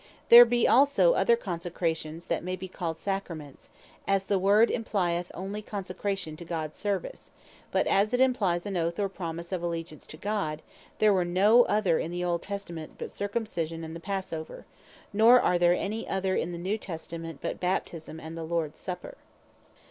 There be also other Consecrations, that may be called Sacraments, as the word implyeth onely Consecration to Gods service; but as it implies an oath, or promise of Alleageance to God, there were no other in the Old Testament, but Circumcision, and the Passover; nor are there any other in the New Testament, but Baptisme, and the Lords Supper.